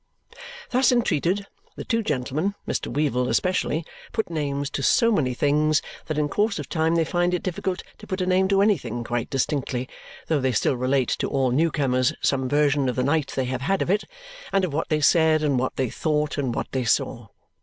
Thus entreated, the two gentlemen (Mr. Weevle especially) put names to so many things that in course of time they find it difficult to put a name to anything quite distinctly, though they still relate to all new comers some version of the night they have had of it, and of what they said, and what they thought, and what they saw.